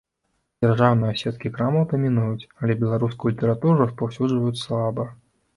Дзяржаўныя сеткі крамаў дамінуюць, але беларускую літаратуру распаўсюджваюць слаба.